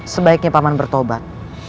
sebaiknya paman bertobat